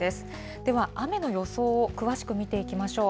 では、雨の予想を詳しく見ていきましょう。